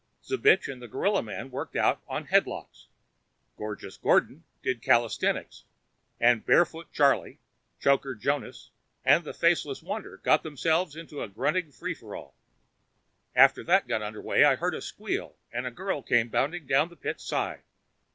Zbich and the Gorilla Man worked out on headlocks, Gorgeous Gordon did calisthenics, and Barefoot Charley, Choker Jonas and the Faceless Wonder got themselves into a grunting free for all. After that got under way, I heard a squeal and a girl came bounding down the pit side.